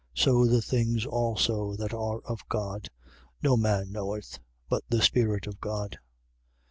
So the things also that are of God, no man knoweth, but the Spirit of God.